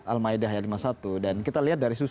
al ma'idah lima puluh satu dan kita lihat dari